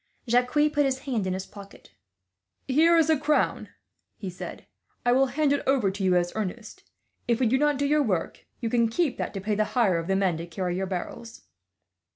Jacques put his hand in his pocket. "Here is a crown," he said. "I will hand it over to you, as earnest. If we do not do your work, you can keep that to pay the hire of the men to carry your barrels."